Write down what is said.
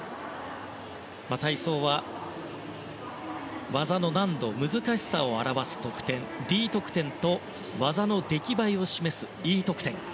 体操は技の難度難しさを表す得点Ｄ得点と技の出来栄えを示すＥ得点。